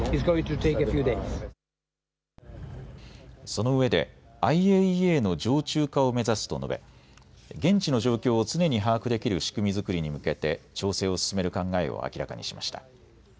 そのうえでＩＡＥＡの常駐化を目指すと述べ、現地の状況を常に把握できる仕組み作りに向けて調整を進める考えを明らかにしました。